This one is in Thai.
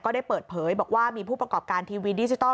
ได้เปิดเผยบอกว่ามีผู้ประกอบการทีวีดิจิทัล